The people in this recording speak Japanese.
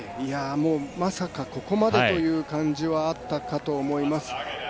まさかここまでという感じはあったかと思います。